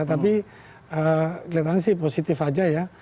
tapi kelihatannya sih positif aja ya